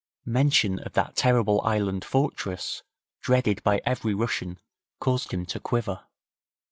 Mention of that terrible island fortress, dreaded by every Russian, caused him to quiver.